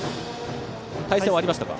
対戦はありましたか。